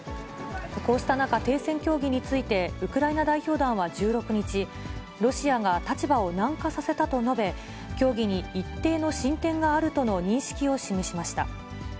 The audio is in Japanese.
こうした中、停戦協議についてウクライナ代表団は１６日、ロシアが立場を軟化させたと述べ、協議に一定の進展があるとの認識を示しました。